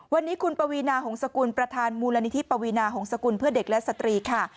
วันนี้คุณปวีนาหงษกุลประธานมูลนิธิปวีนาหงษกุลเพื่อเด็กและสตรีค่ะ